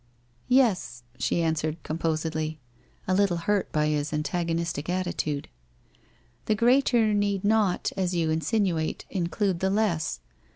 ' Yes,' she answered composedly, a little hurt by his antagonistic attitude. ' The greater need not, as you insinuate, include the less.